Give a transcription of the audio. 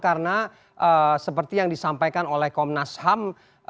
karena seperti yang disampaikan oleh komnas ham